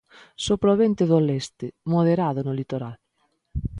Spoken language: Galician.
Sopra o vento do leste, moderado no litoral.